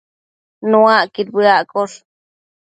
Nuacquid bedaccosh